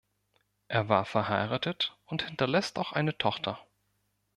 Er war verheiratet und hinterlässt auch eine Tochter.